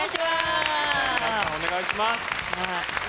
お願いします。